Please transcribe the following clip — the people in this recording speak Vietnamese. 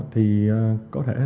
thì có thể